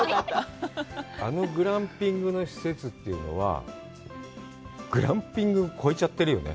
あのグランピングの施設というのは、グランピングを超えちゃってるよね。